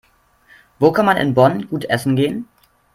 Wo kann man in Bonn gut essen gehen?